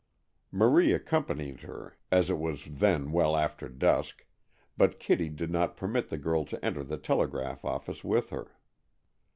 Marie accompanied her, as it was then well after dusk, but Kitty did not permit the girl to enter the telegraph office with her.